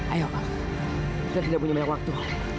ayo pak kita tidak punya banyak waktu